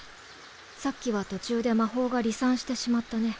さっきは途中で魔法が離散してしまったね。